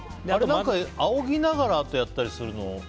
あれ、あおぎながらやったりするのは？